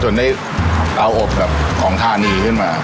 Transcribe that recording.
ได้เอาอบแบบของธานีขึ้นมา